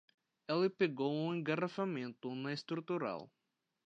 Ele pegou um engarrafamento na estrutural.